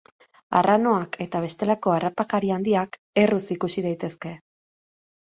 Arranoak eta bestelako harrapakari handiak erruz ikus daitezke.